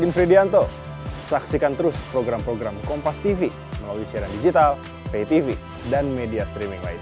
dan fridianto saksikan terus program program kompastv melalui siaran digital paytv dan media streaming lain